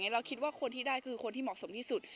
เราคิดว่าคนที่ได้คือคนที่เหมาะสมที่สุด